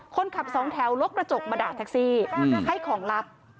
คนขับสองแถวลกกระจกมาด่าแท็กซี่ให้ของลับ